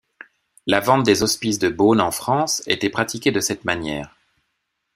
La vente des hospices de Beaune en France était pratiquée de cette manière.